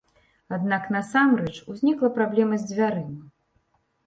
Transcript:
Аднак насамрэч узнікла праблема з дзвярыма.